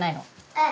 うん。